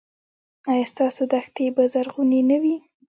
ایا ستاسو دښتې به زرغونې نه وي؟